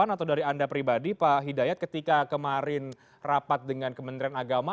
atau dari anda pribadi pak hidayat ketika kemarin rapat dengan kementerian agama